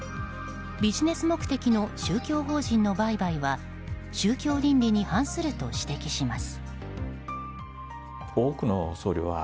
ビジネス目的の宗教法人の売買は宗教倫理に反すると指摘します。